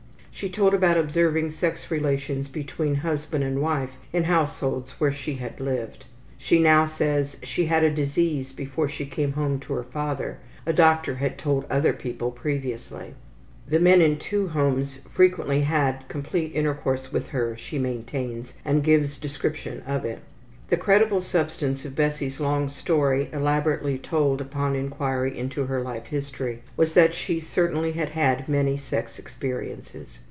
She told about observing sex relations between husband and wife in households where she had lived. She now says she had a disease before she came home to her father a doctor had told other people previously. The men in two homes frequently had complete intercourse with her, she maintains, and gives description of it. The credible substance of Bessie's long story elaborately told upon inquiry into her life history was that she certainly had had many sex experiences.